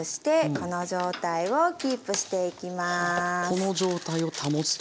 この状態を保つと。